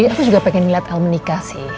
aku juga pengen ngeliat al menikah sih